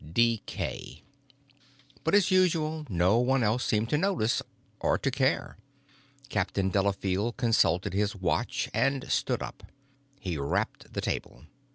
Decay. But, as usual, no one else seemed to notice or to care. Captain Delafield consulted his watch and stood up. He rapped the table.